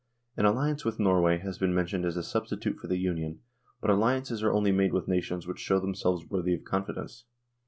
... An alliance with Norway has been mentioned as a substitute for the Union ; but alliances are only made with nations which show themselves worthy of confidence.